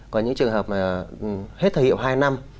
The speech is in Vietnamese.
có những trường hợp mà hết thời hiệu hai năm